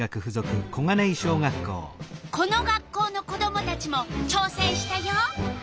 この学校の子どもたちもちょうせんしたよ。